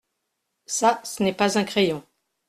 Ça ce n’est pas un crayon.